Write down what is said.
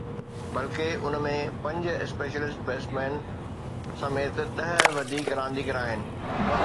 بلڪه، ان ۾ پنج اسپيشلسٽ بيٽسمين سميت ڏهه وڌيڪ رانديگر آهن